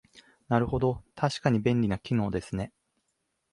なるほど、確かに便利な機能ですね